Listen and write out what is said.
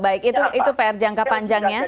baik itu pr jangka panjangnya